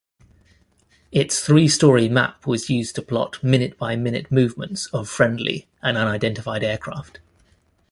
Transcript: Its three-story map was used to plot minute-by-minute movements of friendly and unidentified aircraft.